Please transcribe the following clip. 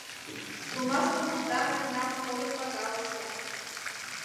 Улмаш кумылда мемнам порын пагалыше